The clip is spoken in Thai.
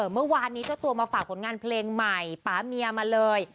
เมื่อวานนี้เจ้าตัวมาฝากผลงานเพลงใหม่ป๊าเมียมาเลย